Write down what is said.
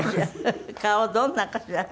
顔どんなかしら？